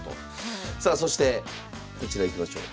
さあそしてこちらいきましょう。